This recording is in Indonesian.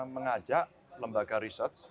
mengajak lembaga research